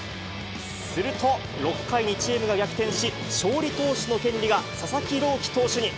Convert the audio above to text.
すると６回にチームが逆転し、勝利投手の権利が、佐々木朗希投手に。